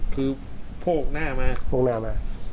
คือโภกหน้ามา